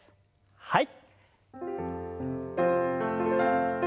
はい。